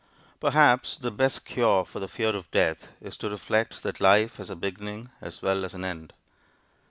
Perhaps the best cure for the fear of death is to reflect that life has a beginning as well as an end.